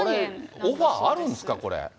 これオファーあるんですか、これ。